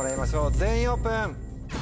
全員オープン。